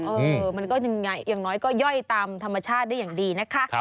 เออมันก็อย่างน้อยก็ย่อยตามธรรมชาติได้อย่างดีนะคะ